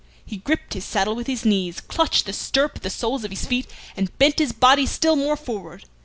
He gripped his saddle with his knees, clutched the stirrup with the soles of his feet, and bent his body still more forward.